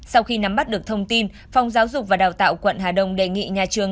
sau khi nắm bắt được thông tin phòng giáo dục và đào tạo quận hà đông đề nghị nhà trường